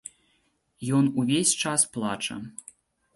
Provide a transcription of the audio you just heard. Ён увесь час плача.